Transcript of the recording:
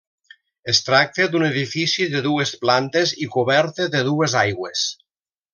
Es tracta d'un edifici de dues plantes i coberta de dues aigües.